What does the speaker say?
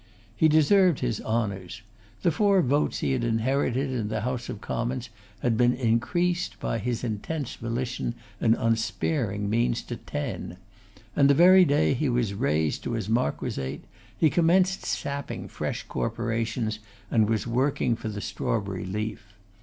He deserved his honours. The four votes he had inherited in the House of Commons had been increased, by his intense volition and unsparing means, to ten; and the very day he was raised to his Marquisate, he commenced sapping fresh corporations, and was working for the strawberry leaf.